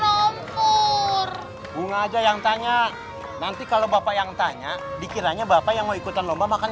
dengar bunga aja yang tanya nanti kalau bapak yang tanya dikiranya bapak yang mau ikutan lomba makan